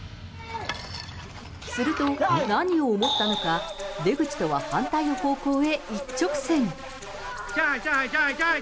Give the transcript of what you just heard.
すると、何を思ったのか、出口とは反対の方向へ、一直線。